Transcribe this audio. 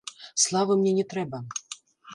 Славы мне не трэба.